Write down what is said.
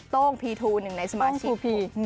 ต้งพีทูหนึ่งในสมาชิกต้งทูพี